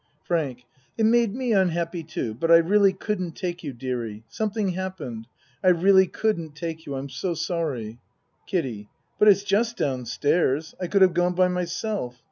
FRANK It made me unhappy too, but I really couldn't take you, dearie. Something happened. I really couldn't take you. I'm so sorry. KIDDIE But it's just down stairs. I could have gone by myself.